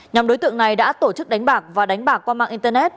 nhóm đối tượng này đã tổ chức đánh bạc và đánh bạc qua mạng internet